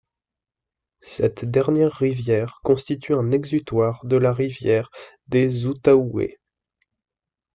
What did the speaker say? Cette dernière rivière constitue un exutoire de la rivière des Outaouais.